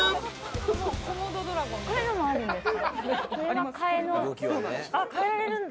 こういうのもあるんですか？